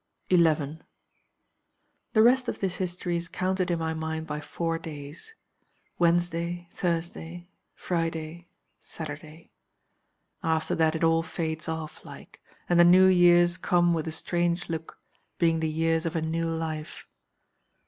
11. "The rest of this history is counted in my mind by four days Wednesday, Thursday, Friday, Saturday. After that it all fades off like, and the new years come with a strange look, being the years of a new life.